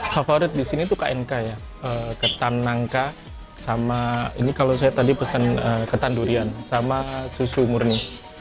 favorit di sini tuh knk ya ketan nangka sama ini kalau saya tadi pesan ketan durian sama susu murni